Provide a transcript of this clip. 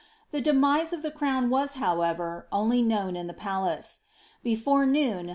The de mise of the crown w^as, however, only known in the palace. Before noon.